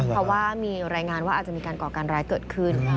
เพราะว่ามีรายงานว่าอาจจะมีการก่อการร้ายเกิดขึ้น